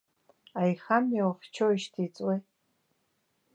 Аихамҩа ухьчоижьҭеи иҵуеи?